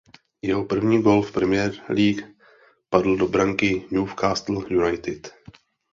Jeho první gól v Premier League padl do branky Newcastle United.